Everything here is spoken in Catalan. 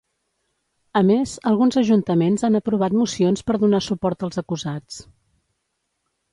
A més, alguns ajuntaments han aprovat mocions per donar suport als acusats.